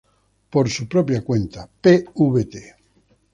Por su propia cuenta, Pvt.